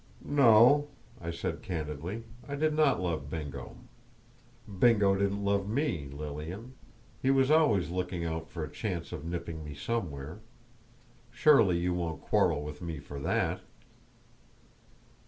"No," I said, candidly; "I did not love Bingo. Bingo didn't love me, Lilian; he was always looking out for a chance of nipping me somewhere. Surely you won't quarrel with me for that!"